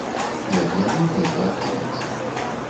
І ад яго нельга адхіляцца.